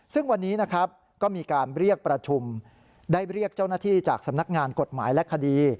ซึ่งวันนี้นะครับก็มีการเรียกประชุมได้เรียกเจ้าหน้าที่จากสำนักงานกฎหมายและคดี